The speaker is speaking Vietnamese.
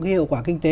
hiệu quả kinh tế